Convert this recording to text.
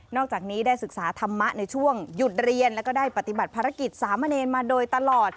อกจากนี้ได้ศึกษาธรรมะในช่วงหยุดเรียนแล้วก็ได้ปฏิบัติภารกิจสามเณรมาโดยตลอด